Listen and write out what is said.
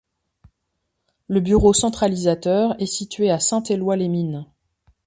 Le bureau centralisateur est situé à Saint-Éloy-les-Mines.